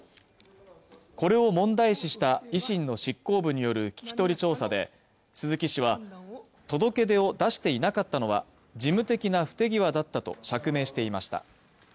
これを問題視した維新の執行部による聞き取り調査で鈴木氏は届け出を出していなかったのは事務的な不手際だったと釈明していました